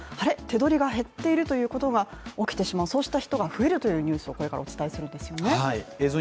手取りが減っているということが起きてしまうそうした人が増えるというニュースをこれからお伝えするんですよね。